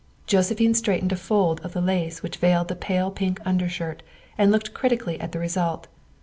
Josephine straightened a fold of the lace which veiled the pale pink underskirt and looked critically at the result.